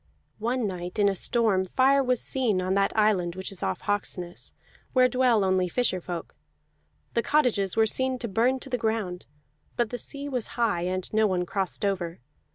One night in a storm, fire was seen on that island which is off Hawksness, where dwell only fisher folk; the cottages were seen to burn to the ground, but the sea was high, and no one crossed over.